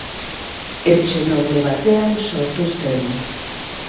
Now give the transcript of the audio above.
Etxe noble batean sortu zen.